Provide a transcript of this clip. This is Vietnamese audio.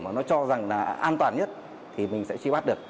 mà nó cho rằng là an toàn nhất thì mình sẽ truy bắt được